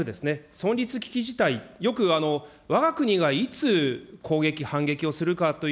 存立危機事態、よくわが国がいつ攻撃、反撃をするかという